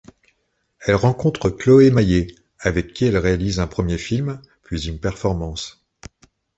Elle rencontre Chloé Maillet avec qui elle réalise un premier film puis une performance.